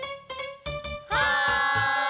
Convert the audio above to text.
はい！